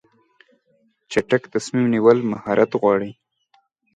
چټک تصمیم نیول مهارت غواړي.